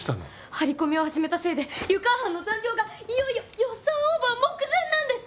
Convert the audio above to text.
張り込みを始めたせいで湯川班の残業がいよいよ予算オーバー目前なんです。